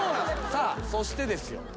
さあそしてですよ